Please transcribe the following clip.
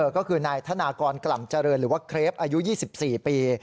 ก็คือนายธนากรกล่ำเจริญหรือว่าเครปอายุ๒๔ปี